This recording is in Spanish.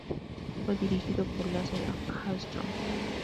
Fue dirigido por Lasse Hallström.